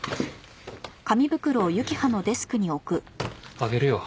あげるよ。